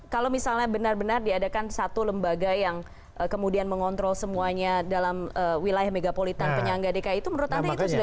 kalau misalnya benar benar diadakan satu lembaga yang kemudian mengontrol semuanya dalam wilayah megapolitan penyangga dki itu menurut anda itu sudah